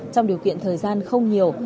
trong điều kiện thời gian không nhiều